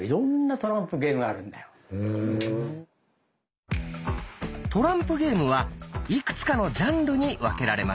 トランプゲームはいくつかのジャンルに分けられます。